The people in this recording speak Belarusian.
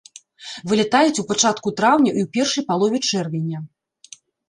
Вылятаюць у пачатку траўня і ў першай палове чэрвеня.